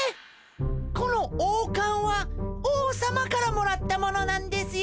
この王かんは王さまからもらったものなんですよ。